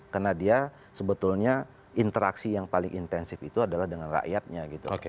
karena dia sebetulnya interaksi yang paling intensif itu adalah dengan rakyatnya gitu